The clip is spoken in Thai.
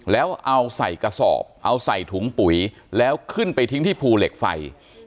แล้วเอาใส่กระสอบเอาใส่ถุงปุ๋ยแล้วขึ้นไปทิ้งที่ภูเหล็กไฟ